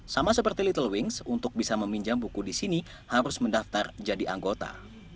sama seperti little wings untuk bisa meminjam buku di sini harus mendaftar jadi anggota